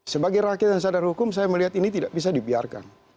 sebagai rakyat yang sadar hukum saya melihat ini tidak bisa dibiarkan